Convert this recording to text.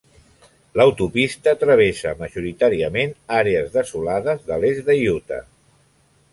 L'autopista travessa majoritàriament àrees desolades de l'est d'Utah.